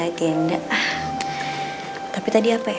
kok emang lagi kepikiran cromanto